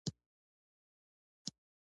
تاسې محترم یاست.